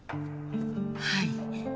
はい。